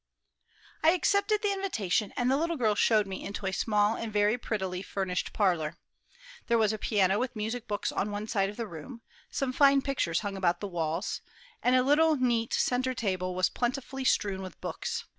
I accepted the invitation, and the little girl showed me into a small and very prettily furnished parlor. There was a piano with music books on one side of the room, some fine pictures hung about the walls, and a little, neat centre table was plentifully strewn with books.